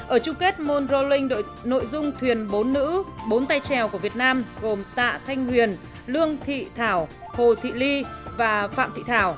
ở chung kết mondroling đội nội dung thuyền bốn nữ bốn tay trèo của việt nam gồm tạ thanh huyền lương thị thảo hồ thị ly và phạm thị thảo